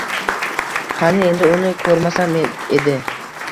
Qani endi uni ko`rmasam edi